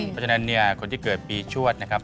เพราะฉะนั้นเนี่ยคนที่เกิดปีชวดนะครับ